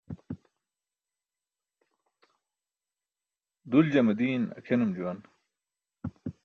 Duljame diin akʰenum juwan.